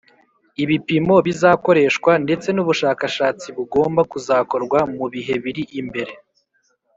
ibipimo bizakoreshwa ndetse n'ubushakashatsi bugomba kuzakorwa mu bihe biri imbere